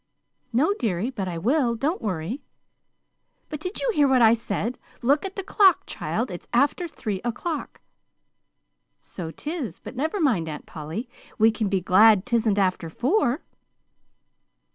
"No, dearie, but I will. Don't worry." "But, did you hear what I said? Look at the clock, child. It's after three o'clock!" "So 'tis, but never mind, Aunt Polly. We can be glad 'tisn't after four."